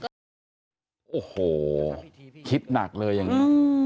โอ้โหคิดหนักเลยอย่างนี้